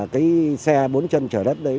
cái xe bốn chân chở đất đấy